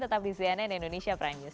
tetap di cnn indonesia prime news